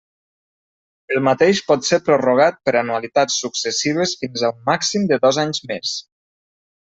El mateix pot ser prorrogat per anualitats successives fins a un màxim de dos anys més.